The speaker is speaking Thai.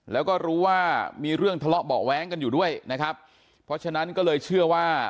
แล้วก็รู้ว่ามีเรื่องทะเลาะเบาะแว้งกันอยู่ด้วยนะครับเพราะฉะนั้นก็เลยเชื่อว่า